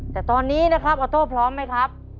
แต่ตอนนี้นะครับออโต้พร้อมไหมครับ